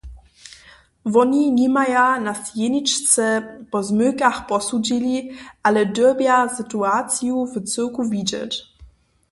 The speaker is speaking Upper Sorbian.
Woni nimaja nas jeničce po zmylkach posudźili, ale dyrbja situaciju w cyłku widźeć.